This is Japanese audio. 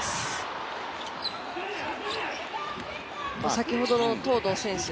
先ほどの東藤選手